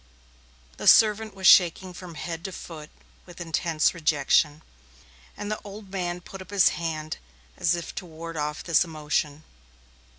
The servant was shaking from head to foot with intense rejection, and the man put up his hand as if to ward off his emotion.